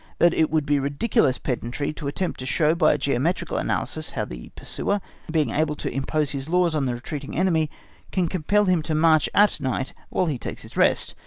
that it would be ridiculous pedantry to attempt to show by a geometrical analysis how the pursuer, being able to impose his laws on the retreating enemy, can compel him to march at night while he takes his rest.